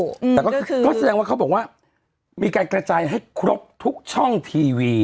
อืมแต่ก็คือก็แสดงว่าเขาบอกว่ามีการกระจายให้ครบทุกช่องทีวี